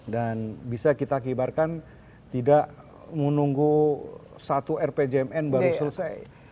dan bisa kita kibarkan tidak menunggu satu rpjmn baru selesai